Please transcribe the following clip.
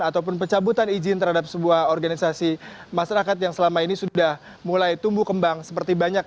ataupun pencabutan izin terhadap sebuah organisasi masyarakat yang selama ini sudah mulai tumbuh kembang seperti banyak